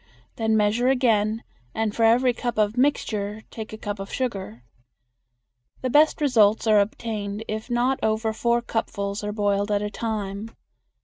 Then measure again and for every cup of mixture take a cup of sugar. The best results are obtained if not over four cupfuls are boiled at a time.